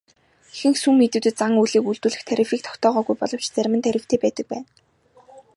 Ихэнх сүм хийдүүдэд зан үйлийг үйлдүүлэх тарифыг тогтоогоогүй боловч зарим нь тарифтай байдаг байна.